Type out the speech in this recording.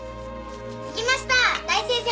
できました大先生！